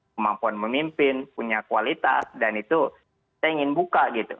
kemampuan memimpin punya kualitas dan itu kita ingin buka